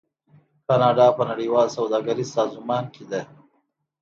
کاناډا په نړیوال سوداګریز سازمان کې دی.